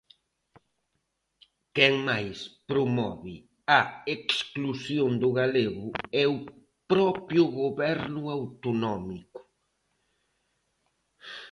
Quen máis promove a exclusión do galego é o propio goberno autonómico.